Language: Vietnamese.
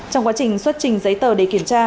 trong quá trình xuất trình giấy tờ để kiểm tra